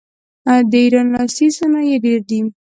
د ایران لاسي صنایع ډیر دي.